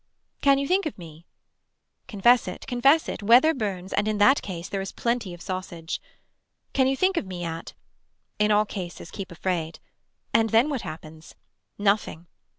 Can you think of me. Confess it confess it weather burns and in that case there is plenty of sausage. Can you think of me at. In all cases keep afraid. And then what happens. Nothing.